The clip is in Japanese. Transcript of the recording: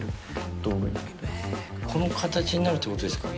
この形になるって事ですか？